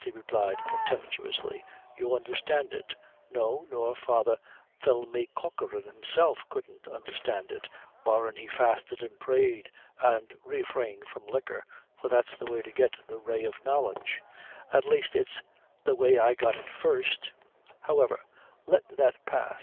he replied, contemptuously, "you undherstand it! no nor Father Philemy Corcoran himself couldn't undherstand it, barrin' he fasted and prayed, and refrained from liquor, for that's the way to get the ray o' knowledge; at laist it's, the way I got it first however, let that pass.